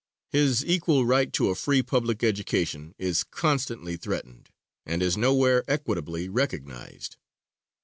His equal right to a free public education is constantly threatened and is nowhere equitably recognized.